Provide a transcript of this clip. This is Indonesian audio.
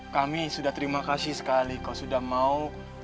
kami sudah terima kasih sekali kalau sudah mau